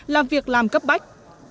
làm việc làm cấp bách